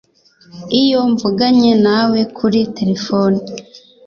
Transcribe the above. iyo mvuganye nawe kuri terefone